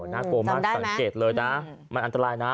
นากโกมัติสังเกตเลยนะมันอันตรายนะ